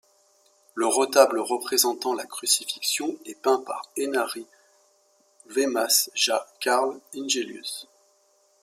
Le retable représentant la crucifixion est peint par Einari Wehmas ja Karl Ingelius.